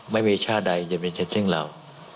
ไม่มีชาติใดจะเป็นเช่นเรา